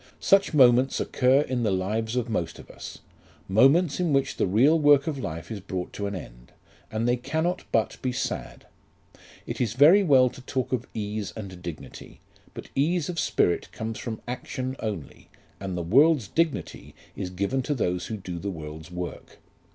Such moments occur in the lives of most of us, moments in which the real work of life is brought to an end, and they cannot but be sad. It is very well to talk of ease and dignity; but ease of spirit comes from action only, and the world's dignity is given to those who do the world's work.